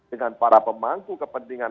dengan para pemangku kepentingan